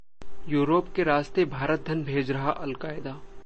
Europe के रास्ते भारत धन भेज रहा अलकायदा